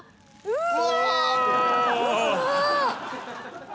うわ！